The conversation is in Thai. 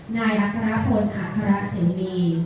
นายอัคราพลอัคราเสมี